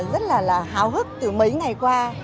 rất là là háo hức từ mấy ngày qua